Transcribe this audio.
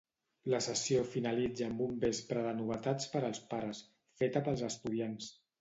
La sessió finalitza amb un vespre de novetats per als pares, feta pels estudiants.